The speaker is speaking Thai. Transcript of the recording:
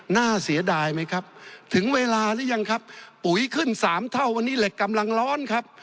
น่าเสียดายไหมครับถึงเวลาหรือยังครับปุ๋ยขึ้นสามเท่าวันนี้เหล็กกำลังร้อนครับ